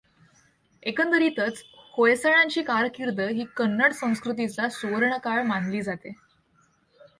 एकंदरीतच होयसाळांची कारकिर्द ही कन्नड संस्कृतीचा सुवर्णकाळ मानली जाते.